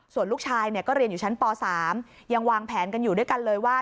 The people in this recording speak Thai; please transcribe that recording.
ส่วนลูกชายก็เรียนอยู่ชั้นป๓ยังวางแผนกันอยู่ด้วยกันเลยว่า